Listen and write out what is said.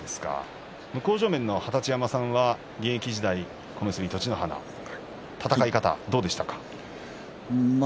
向正面の二十山さんは小結栃乃花として戦い方はどうでしたか。